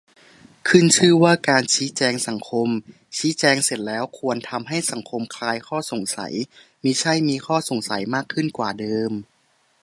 ขึ้นชื่อว่าการ "ชี้แจงสังคม" ชี้แจงเสร็จแล้วควรทำให้สังคมคลายข้อสงสัย มิใช่มีข้อสงสัยมากขึ้นกว่าเดิม